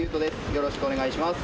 よろしくお願いします。